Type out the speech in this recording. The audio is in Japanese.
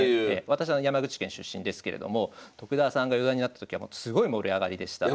私は山口県出身ですけれども徳田さんが四段になった時はすごい盛り上がりでした。